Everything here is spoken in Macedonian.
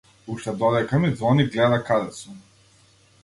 Уште додека ми ѕвони гледа каде сум.